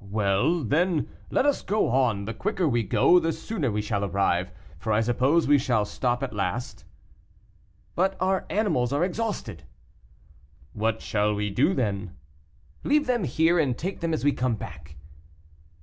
"Well, then, let us go on; the quicker we go, the sooner we shall arrive, for I suppose we shall stop at last." "But our animals are exhausted." "What shall we do then?" "Leave them here, and take them as we come back."